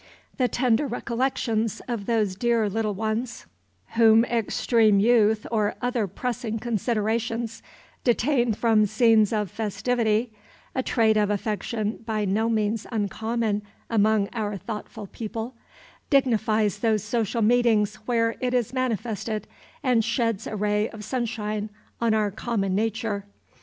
The tender recollections of those dear little ones whom extreme youth or other pressing considerations detain from scenes of festivity a trait of affection by no means uncommon among our thoughtful people dignifies those social meetings where it is manifested, and sheds a ray of sunshine on our common nature.